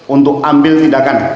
untuk ambil tindakan